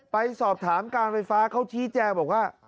ไปสอบถามการไฟฟ้าเขาชี้แจงบอกว่า